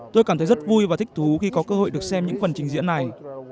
tôi cảm thấy rất vui và thích thú khi có cơ hội được xem những phần trình diễn này